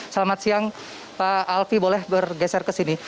selamat siang pak alvi boleh bergeser ke sini